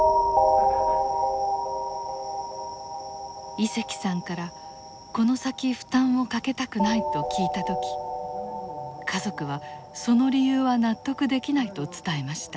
井関さんからこの先負担をかけたくないと聞いた時家族はその理由は納得できないと伝えました。